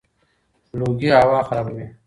لوګي هوا خرابوي.